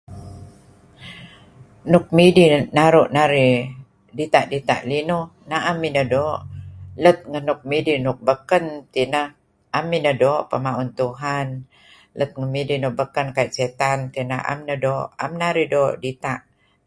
Nuk midih nuk naru' narih dita'-dita' linuh na'em idih doo', let ngan nuk midih nuk beken teh inah 'am inah doo' peh ma'un Tuhan let ngan nuk midih beken kuayu setan tinah am idih doo'. Na'em narih doo' dita'